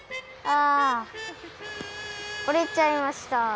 折れちゃいました。